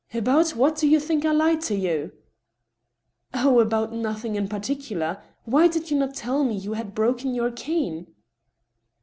" About what do you think I lied to you ?"" Oh I about nothing in particular. ... Why did you not tell me you had broken your cane